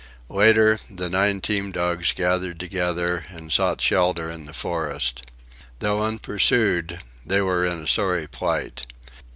Later, the nine team dogs gathered together and sought shelter in the forest. Though unpursued, they were in a sorry plight.